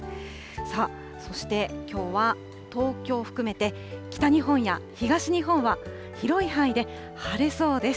さあ、そしてきょうは東京を含めて、北日本や東日本は広い範囲で晴れそうです。